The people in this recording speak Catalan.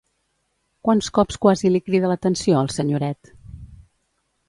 Quants cops quasi li crida l'atenció al senyoret?